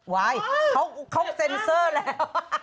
วายเขาเซ็นเซอร์แล้ว